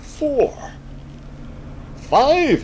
four!" "Five!"